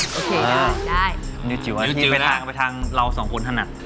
อันนี้ไปทางเราสองคนถนัด